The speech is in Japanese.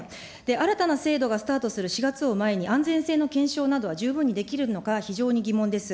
新たな制度がスタートする４月を前に、安全性の検証などは十分にできるのか、非常に疑問です。